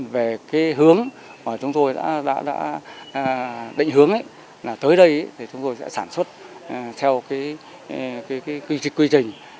về hướng chúng tôi đã định hướng là tới đây chúng tôi sẽ sản xuất theo quy trình